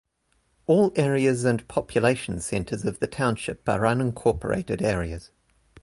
All areas and population centers of the township are unincorporated areas.